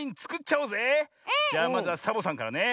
じゃあまずはサボさんからね。